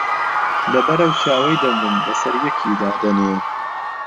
لەبەر ئەو چاوەی دەمرم لەسەر یەکی دادەنێ